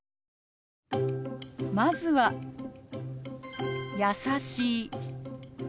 まずは「優しい」。